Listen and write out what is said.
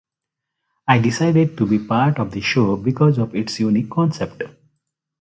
I decided to be part of the show because of its unique concept.